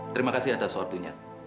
terima kasih atas waktunya